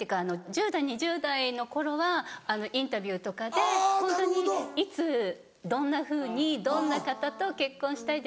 １０代２０代の頃はインタビューとかでホントにいつどんなふうにどんな方と結婚したいですか？